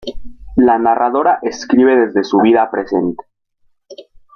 La narradora escribe desde su vida presente.